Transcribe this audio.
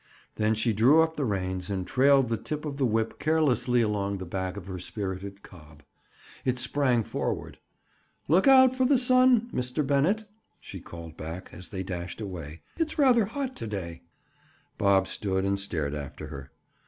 Then she drew up the reins and trailed the tip of the whip caressingly along the back of her spirited cob. It sprang forward. "Look out for the sun, Mr. Bennett," she called back as they dashed away. "It's rather hot to day." Bob stood and stared after her.